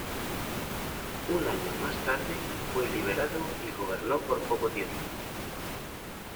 Un año más tarde fue liberado y gobernó por poco tiempo.